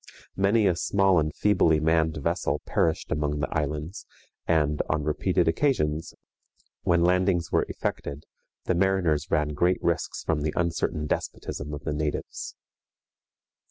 Many a small and feebly manned vessel perished among the islands, and, on repeated occasions, when landings were effected, the mariners ran great risks from the uncertain despotism of the natives.